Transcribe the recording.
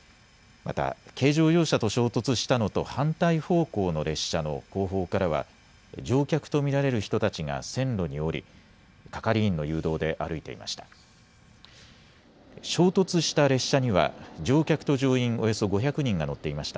また軽乗用車と衝突したのと反対方向の列車の後方からは乗客と見られる人たちが線路に降り係員の誘導で歩いていました。